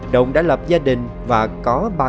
động đã lập gia đình và con đồng